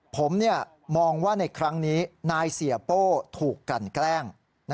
ผมมองว่าในครั้งนี้นายเสียโป้ถูกกันแกล้ง